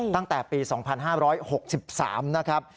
ตั้งแต่ปี๒๕๖๓นะครับ